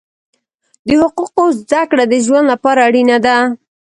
د حقوقو زده کړه د ژوند لپاره اړینه ده.